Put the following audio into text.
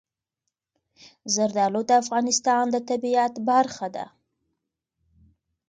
زردالو د افغانستان د طبیعت برخه ده.